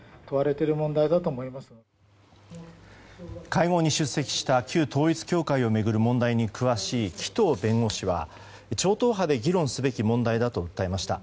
会合に出席した旧統一教会を巡る問題に詳しい紀藤弁護士は超党派で議論すべき問題だと訴えました。